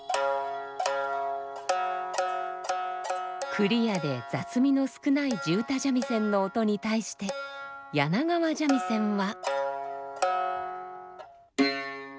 クリアで雑味の少ない地唄三味線の音に対して柳川三味線は。